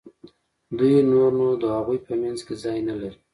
دوی نور نو د هغوی په منځ کې ځای نه لري.